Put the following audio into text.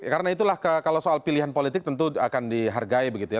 karena itulah kalau soal pilihan politik tentu akan dihargai begitu ya